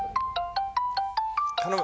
頼む！